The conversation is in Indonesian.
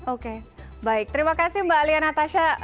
oke baik terima kasih mbak alia natasha